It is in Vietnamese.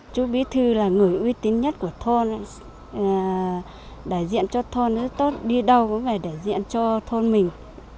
chú bí thư là người uy tín nhất của thôn đại diện cho thôn rất tốt đi đâu cũng về để diện cho thôn mình